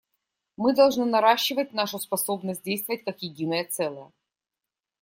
Мы должны наращивать нашу способность действовать как единое целое.